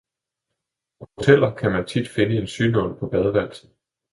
På hoteller kan man tit finde en synål på badeværelset.